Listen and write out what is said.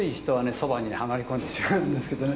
蕎麦にはまり込んでしまうんですけどね。